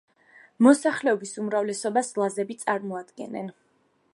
მოსახლეობის უმრავლესობას ლაზები წარმოადგენენ.